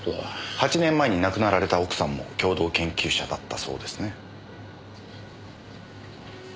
８年前に亡くなられた奥さんも共同研究者だったそうですね。